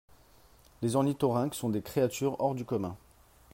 Les ornithorynques sont des créatures hors du commun.